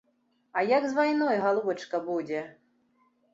А як з вайной, галубачка, будзе?